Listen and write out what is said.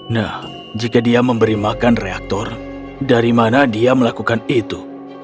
nah jika dia memberi makan reaktor dari mana dia melakukan itu